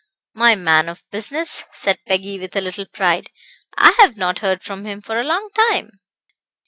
"My man of business," said Peggy, with a little pride. "I have not heard from him for a long time."